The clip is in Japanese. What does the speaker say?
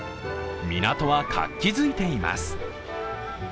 港は活気づいています。